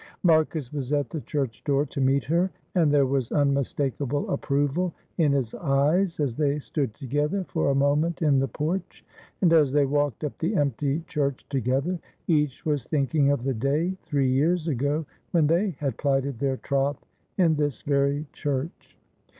Marcus was at the church door to meet her, and there was unmistakable approval in his eyes as they stood together for a moment in the porch. And as they walked up the empty church together each was thinking of the day three years ago when they had plighted their troth in this very church.